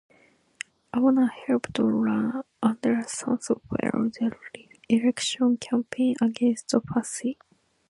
Awana helped run Anderson's failed re-election campaign against Fasi.